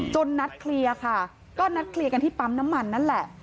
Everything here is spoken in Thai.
นัดเคลียร์ค่ะก็นัดเคลียร์กันที่ปั๊มน้ำมันนั่นแหละ